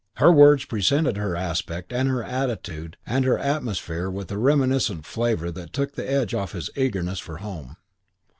Her words presented her aspect and her attitude and her atmosphere with a reminiscent flavour that took the edge off his eagerness for home.